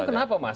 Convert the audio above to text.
itu kenapa mas